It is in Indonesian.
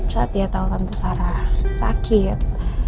saat dia tahu tante sarah sakit